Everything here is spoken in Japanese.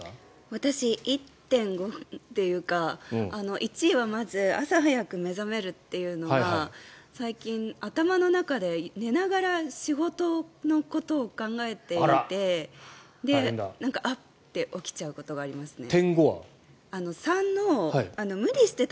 私、１．５というか１はまず朝早く目覚めるというのが最近、頭の中で寝ながら仕事のことを考えていてあっ！って起きちゃうことがありますね。